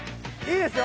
いいですよ。